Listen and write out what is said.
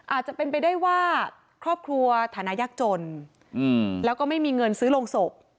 อาจจะเป็นไปได้ว่าครอบครัวฐานะยากจนแล้วก็ไม่มีเงินซื้อโรงศพ